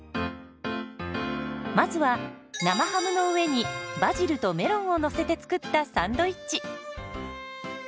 まずは生ハムの上にバジルとメロンをのせて作ったサンドイッチ。